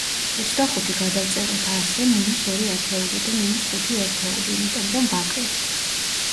ოცდახუთი გადავწეროთ ასე, მინუს ორი ათეული და მინუს ხუთი ერთეული, იმიტომ, რომ ვაკლებთ.